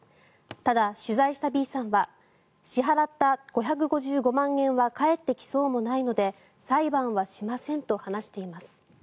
ただ、取材したＢさんは支払った５５５万円は返ってきそうもないので裁判はしませんと話しています。